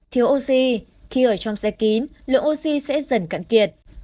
thiếu oxy khi ở trong xe kín lượng oxy sẽ dần cạn kiệt